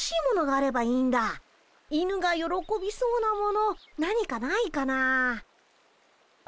犬がよろこびそうなもの何かないかな。